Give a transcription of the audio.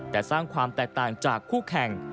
แต่สร้างความแตกต่างจากคู่แข่ง